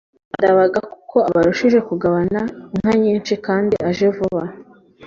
Ndabaga kuko abarushije kugabana inka nyinshi kandi aje vuba.